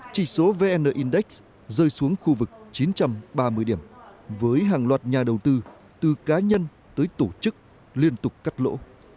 chỉ số vn index rơi xuống khu vực chín trăm ba mươi điểm với hàng loạt nhà đầu tư từ cá nhân tới tổ chức liên tục cắt lỗ